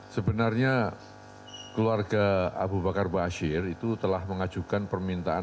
sebenarnya keluarga abu bakar mba asyir itu telah mengajukan permintaan